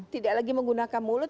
tidak lagi menggunakan mulut